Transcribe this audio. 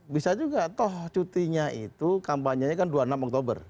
bisa juga toh cutinya itu kampanyenya kan dua puluh enam oktober